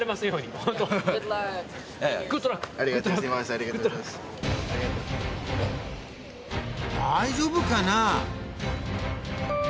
大丈夫かな？